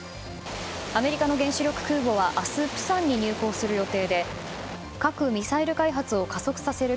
アメリカの原子力空母は明日、釜山に入港する予定で核・ミサイル開発を加速させる